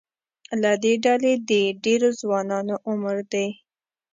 له دې ډلې د ډېرو ځوانانو عمر د